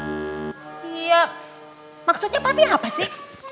ya maksudnya papi apa sih